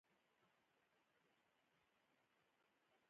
ازادي راډیو د اټومي انرژي ته پام اړولی.